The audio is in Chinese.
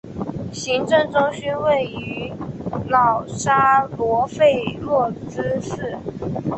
行政中心位于瑙沙罗费洛兹市。